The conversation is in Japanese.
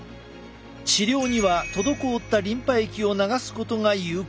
治療には滞ったリンパ液を流すことが有効。